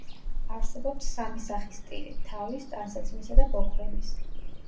არსებობს სამი სახის ტილი: თავის, ტანსაცმლისა და ბოქვენის.